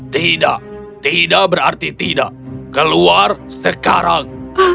tidak tidak berarti tidak keluar sekarang